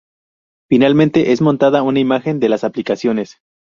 Finalmente, es montada una imagen de las aplicaciones.